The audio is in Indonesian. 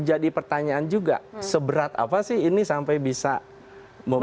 jadi pertanyaan juga seberat apa sih ini sampai bisa memicu